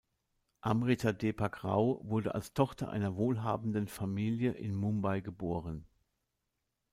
Amrita Deepak Rao wurde als Tochter einer wohlhabenden Familie in Mumbai geboren.